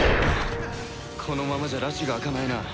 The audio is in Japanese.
このままじゃらちが明かないな。